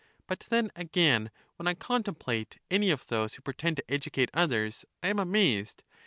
But then again, when I contemplate any of those who pretend to educate others, I am amazed.